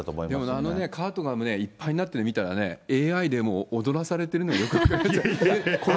あのカートがいっぱいになってるのを見たらね、ＡＩでもう踊らされているのはよく分かりますよね。